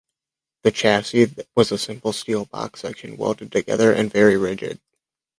The chassis was a simple steel box section, welded together and very rigid.